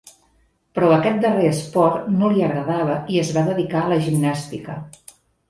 Però aquest darrer esport no li agradava, i es va dedicar a la gimnàstica.